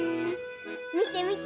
みてみて！